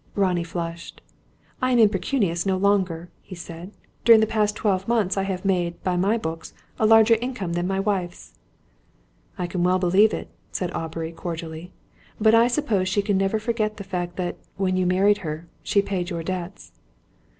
Ronnie flushed. "I am impecunious no longer," he said. "During the past twelve months I have made, by my books, a larger income than my wife's." "I can well believe it," said Aubrey, cordially. "But I suppose she can never forget the fact that, when you married her, she paid your debts."